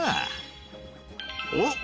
おっ！